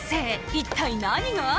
一体、何が？